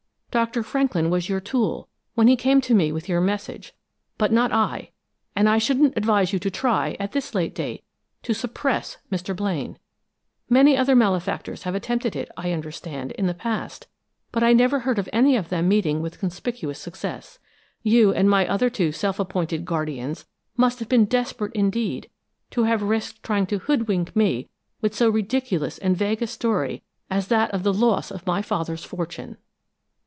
Doctor Franklin was your tool, when he came to me with your message, but not I! And I shouldn't advise you to try, at this late date, to 'suppress' Mr. Blaine. Many other malefactors have attempted it, I understand, in the past, but I never heard of any of them meeting with conspicuous success. You and my other two self appointed guardians must have been desperate indeed to have risked trying to hoodwink me with so ridiculous and vague a story as that of the loss of my father's fortune!"